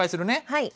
はい。